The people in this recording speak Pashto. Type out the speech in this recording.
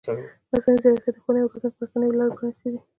مصنوعي ځیرکتیا د ښوونې او روزنې په برخه کې نوې لارې پرانیستې دي.